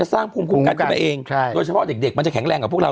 สร้างภูมิคุ้มกันขึ้นมาเองโดยเฉพาะเด็กมันจะแข็งแรงกับพวกเรา